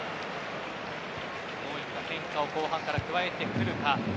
そういった変化を後半から加えてくるか。